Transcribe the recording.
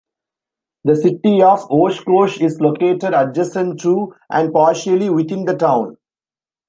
The City of Oshkosh is located adjacent to and partially within the town.